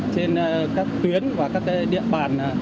trên các tuyến và các địa bàn